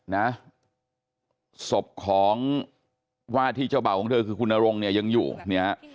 นะศพของว่าที่เจ้าเบ่าของเธอคือคุณนรงเนี่ยยังอยู่เนี่ย